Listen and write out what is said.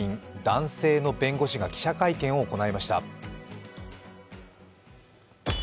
男性の弁護士が記者会見を行いました。